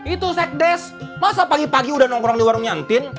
itu sekdes masa pagi pagi udah nongkrong di warung nyantin